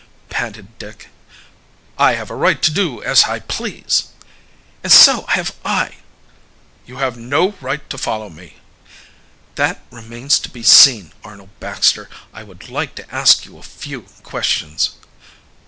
panted Dick. "I have a right to do as I please." "And so have!" "You have no right to follow me." "That remains to be seen, Arnold Baxter. I would like to ask you a few questions."